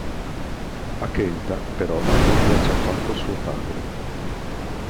A Kenta però non piace affatto suo padre.